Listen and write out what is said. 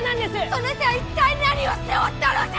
そなた一体何をしておったのじゃ！